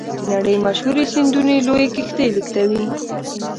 د نړۍ مشهورې سیندونه لویې کښتۍ لیږدوي.